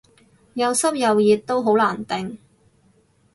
又濕又熱都好難頂